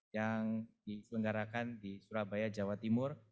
yang diselenggarakan di surabaya jawa timur